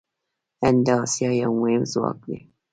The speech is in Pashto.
هند د اسیا یو مهم ځواک دی.